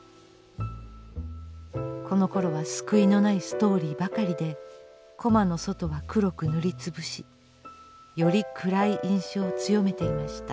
このころは救いのないストーリーばかりでコマの外は黒く塗り潰しより暗い印象を強めていました。